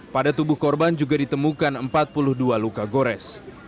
pada tubuh korban juga ditemukan empat puluh dua luka gores